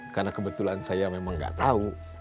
karena kebetulan saya memang nggak tahu